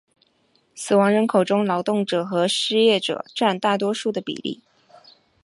死亡人口中劳动者和失业者占大多数的比例。